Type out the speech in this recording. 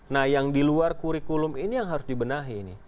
nah yang diluar kurikulum ini yang harus dibenahi